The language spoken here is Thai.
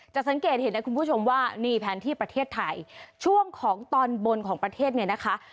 สังเกตเห็นนะคุณผู้ชมว่านี่แผนที่ประเทศไทยช่วงของตอนบนของประเทศเนี่ยนะคะ